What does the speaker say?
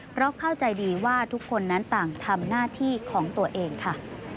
เพราะเข้าใจดีว่าทุกคนนั้นต่างทำหน้าที่ของตัวเองค่ะ